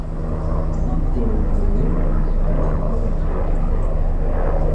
Бзидздзара йдзыргӏвытӏ йызхӏвара дгӏарылымцӏуата.